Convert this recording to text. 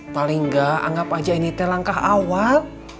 paling nggak anggap aja ini langkah awal